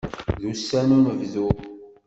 D wussan n unebdu.